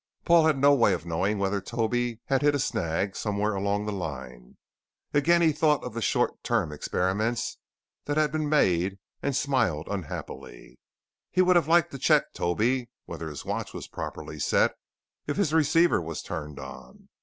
Paul had no way of knowing whether Toby had hit a snag somewhere along the line. Again he thought of the short term experiments that had been made and smiled unhappily. He would have liked to check Toby, whether his watch was properly set; if his receiver was turned on.